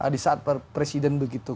di saat presiden begitu